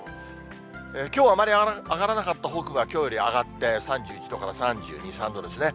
きょうあまり上がらなかった北部はきょうより上がって、３１度から３２、３度ですね。